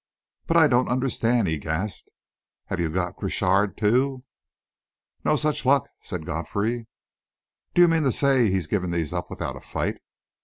"But I don't understand!" he gasped. "Have you got Croshar too?" "No such luck," said Godfrey. "Do you mean to say he'd give these up without a fight!"